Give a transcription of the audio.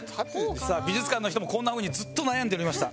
美術館の人もこんな風にずっと悩んでおりました。